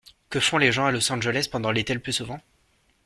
Que font les gens à Los Angeles pendant l’été le plus souvent ?